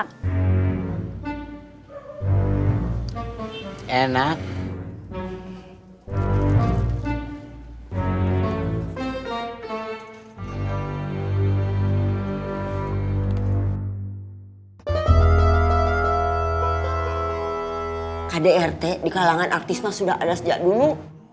kdrt di kalangan artis mas sudah ada sejak dulu